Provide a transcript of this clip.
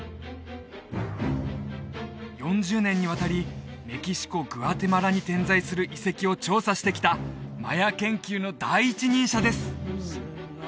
４０年にわたりメキシコグアテマラに点在する遺跡を調査してきたマヤ研究の第一人者です